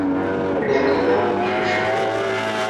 Пеҥгыдын чучо.